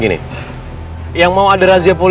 kau yang tak tebis kan